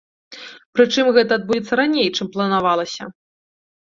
Прычым, гэта адбудзецца раней, чым планавалася.